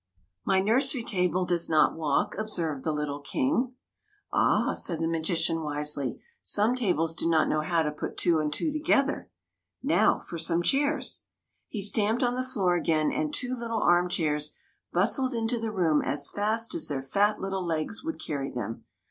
" My nursery table does not walk," observed the little King. " Ah," said the magician, wisely, '' some tables do not know how to put two and two together. Now for some chairs !" He stamped on the floor again, and two little arm chairs bustled into the room as fast as their fat little legs would carry them.